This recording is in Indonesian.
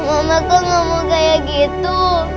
mama kok gak mau kayak gitu